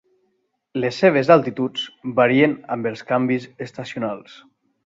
Les seves altituds varien amb els canvis estacionals.